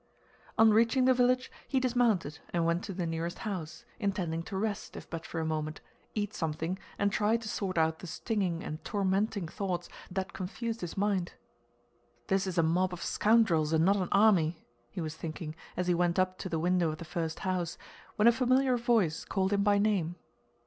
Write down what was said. On reaching the village he dismounted and went to the nearest house, intending to rest if but for a moment, eat something, and try to sort out the stinging and tormenting thoughts that confused his mind. "This is a mob of scoundrels and not an army," he was thinking as he went up to the window of the first house, when a familiar voice called him by name.